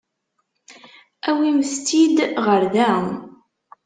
Awimt-t-id ɣer da.